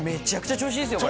調子いいですよね。